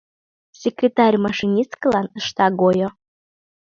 Секретарь-машинисткылан ышта гойо.